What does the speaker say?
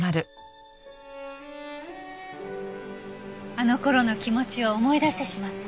あの頃の気持ちを思い出してしまった。